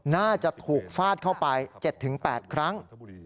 น่าจะถูกฟาดเข้าไป๗๘ครั้ง